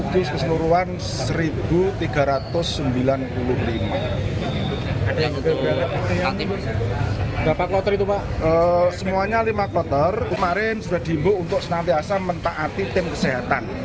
jemaah diimbau untuk menaati tim kesehatan